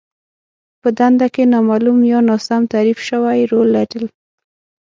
په دنده کې نامالوم يا ناسم تعريف شوی رول لرل.